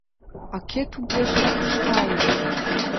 — А кӧ тугеже куржталын?